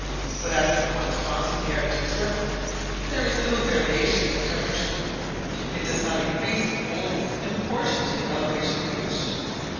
But after once crossing the Arctic Circle, there is little variation in the temperature; it does not increase in coldness in proportion to the elevation reached.